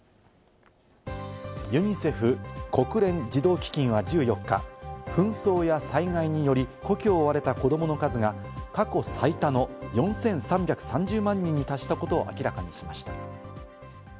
ユニセフ＝国連児童基金は１４日、紛争や災害により、故郷を追われた子どもの数が過去最多の４３３０万人に達したことを明らかにしました。